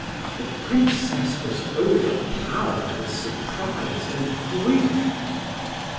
The Princess was overpowered with surprise and grief.